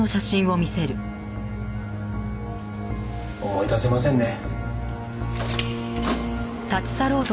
思い出せませんね。